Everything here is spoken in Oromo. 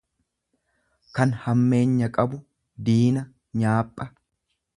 kan hammeenya qabu, diina, nyaapha.